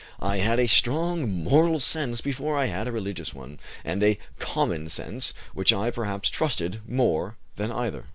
I had a strong moral sense before I had a religious one, and a 'common sense' which I perhaps trusted more than either.